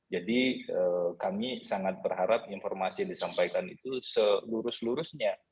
jadi kami sangat berharap informasi yang disampaikan itu selurus lurusnya